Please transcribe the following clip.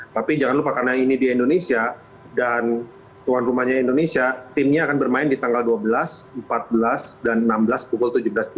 tapi jangan lupa karena ini di indonesia dan tuan rumahnya indonesia timnya akan bermain di tanggal dua belas empat belas dan enam belas pukul tujuh belas tiga puluh